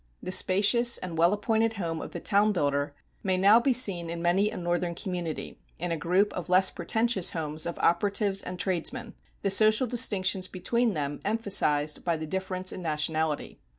The spacious and well appointed home of the town builder may now be seen in many a northern community, in a group of less pretentious homes of operatives and tradesmen, the social distinctions between them emphasized by the difference in nationality.